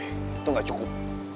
itu gak cukup